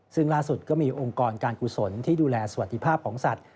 ซึ่งล่าสุดก็มีองค์กรการกุศลที่ดูแลสวัสดิภาพของสัตว